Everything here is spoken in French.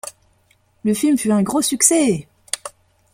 Le film fut un gros succès.